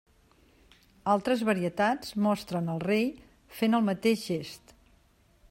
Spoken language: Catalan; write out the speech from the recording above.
Altres varietats mostren al rei fent el mateix gest.